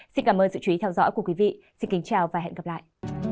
xin cảm ơn sự chú ý theo dõi của quý vị xin kính chào và hẹn gặp lại